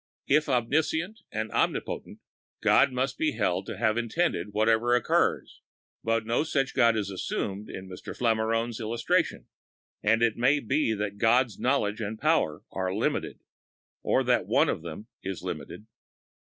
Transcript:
If omniscient and omnipotent, God must be held to have intended, whatever occurs, but no such God is assumed in M. Flammarion's illustration, and it may be that God's knowledge and power are limited, or that one of them is limited.